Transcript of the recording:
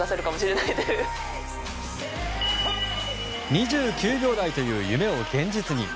２９秒台という夢を現実に。